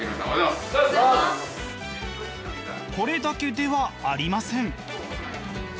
これだけではありません。